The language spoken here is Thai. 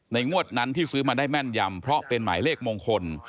งวดนั้นที่ซื้อมาได้แม่นยำเพราะเป็นหมายเลขมงคล